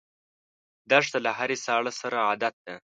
دښته له هرې ساړه سره عادت ده.